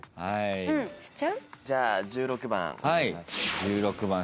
じゃあ１６番お願いします。